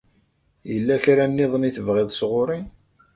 Yella kra nniḍen i tebɣiḍ sɣur-i?